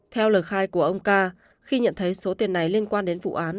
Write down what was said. theo lời khai của ông ca khi nhận thấy số tiền này liên quan đến vụ án